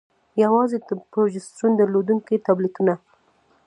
يوازې د پروجسترون درلودونكي ټابليټونه: